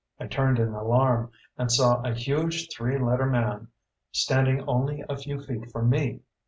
I turned in alarm and saw a huge three letter man standing only a few feet from me.